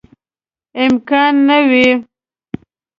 امکان نه وي.